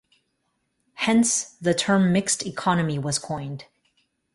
Hence, the term "mixed economy" was coined.